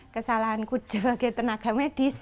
kesalahanku sebagai tenaga medis